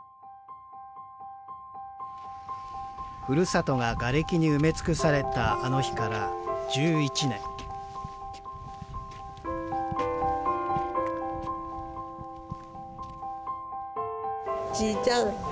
ふるさとがガレキに埋め尽くされたあの日から１１年じいちゃん